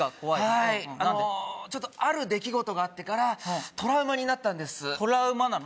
はいあのちょっとある出来事があってからトラウマになったんですトラウマなの何？